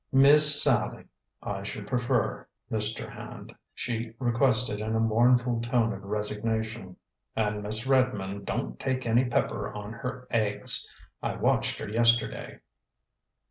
"Miss Sallie, I should prefer, Mr. Hand," she requested in a mournful tone of resignation. "And Miss Redmond don't take any pepper on her aigs; I watched her yesterday."